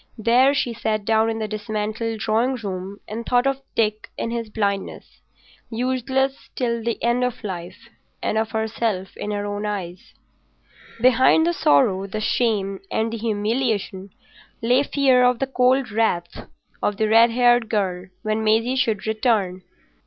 There she sat down in the dismantled drawing room and thought of Dick in his blindness, useless till the end of life, and of herself in her own eyes. Behind the sorrow, the shame, and the humiliation, lay fear of the cold wrath of the red haired girl when Maisie should return.